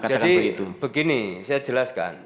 jadi begini saya jelaskan